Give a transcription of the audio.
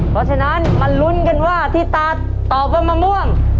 เพราะฉะนั้นมาลุ้นกันว่าที่ตาตอบว่ามะม่วง